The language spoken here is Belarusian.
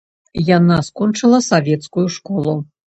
Яна скончыла савецкую школу.